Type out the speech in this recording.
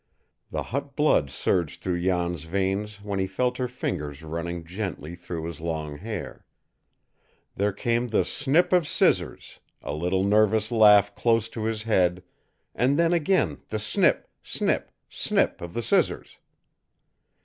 The hot blood surged through Jan's veins when he felt her fingers running gently through his long hair. There came the snip of scissors, a little nervous laugh close to his head, and then again the snip, snip, snip of the scissors.